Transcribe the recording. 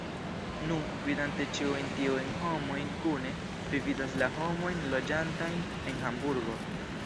Nu, vidante ĉiujn tiujn homojn kune, vi vidas la homojn loĝantajn en Hamburgo.